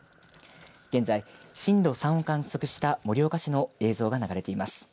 現在、震度３を観測した盛岡市の映像が流れています。